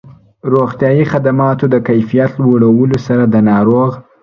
روغتیایي خدماتو د کيفيت لوړولو سره د ناروغ